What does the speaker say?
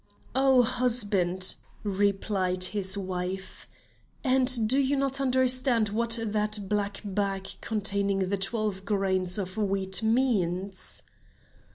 "Oh husband," replied his wife, "and do you not understand what that black bag containing the twelve grains of wheat means?"